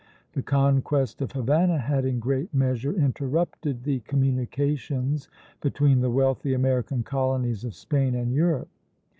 The conquest of Havana had in great measure interrupted the communications between the wealthy American colonies of Spain and Europe.